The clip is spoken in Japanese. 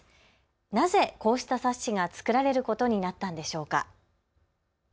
なぜこうした冊子が作られることになったんでしょうか。